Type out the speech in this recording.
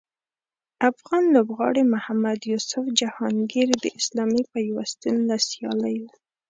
افغان لوبغاړي محمد یوسف جهانګیر د اسلامي پیوستون له سیالیو